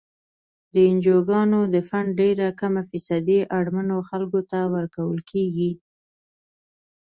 د انجوګانو د فنډ ډیره کمه فیصدي اړمنو خلکو ته ورکول کیږي.